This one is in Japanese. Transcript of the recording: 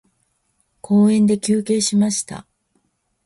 公園で休憩しました。